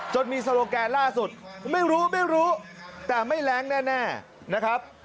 จนมีสโลแกนล่าสุดไม่รู้แต่ไม่แรงแน่นะครับ